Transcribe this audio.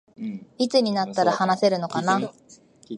いつになったら話せるのかな